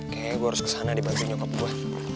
kayaknya gue harus ke sana dibantuin nyokap gue